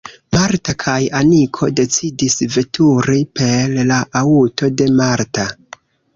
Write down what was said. Marta kaj Aniko decidis veturi per la aŭto de Marta.